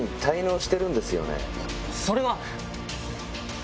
それは！